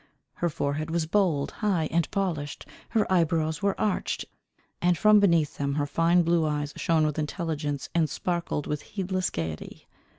Her forehead was bold, high, and polished, her eyebrows were arched, and from beneath them her fine blue eyes shone with intelligence, and sparkled with heedless gaiety.